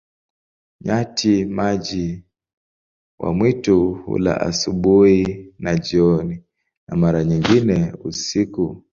Nyati-maji wa mwitu hula asubuhi na jioni, na mara nyingine usiku.